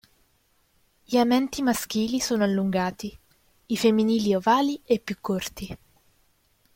Gli amenti maschili sono allungati i femminili ovali e più corti.